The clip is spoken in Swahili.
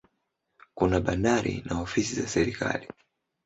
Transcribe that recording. Kuna bandari na ofisi za serikali.